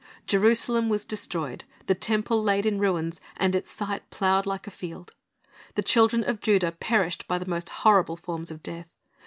Jerusalem was destroyed, the temple laid in ruins, and its site plowed like a field. The children of Judah perished by the most horrible forms of death.